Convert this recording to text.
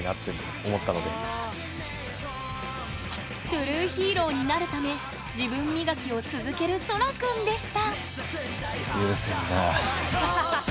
トゥルーヒーローになるため自分磨きを続ける、そら君でした。